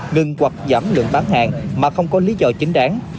ngừng hoặc giảm lượng bán hàng mà không có lý do chính đáng